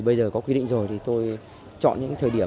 bây giờ có quy định rồi thì tôi chọn những thời điểm